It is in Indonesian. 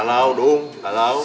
kalau dong kalau